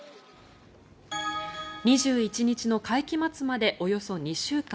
２１日の会期末までおよそ２週間。